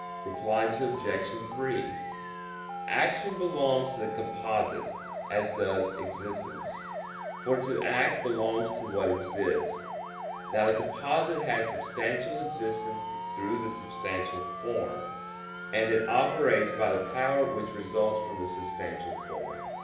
Reply Obj. 3: Action belongs to the composite, as does existence; for to act belongs to what exists. Now the composite has substantial existence through the substantial form; and it operates by the power which results from the substantial form.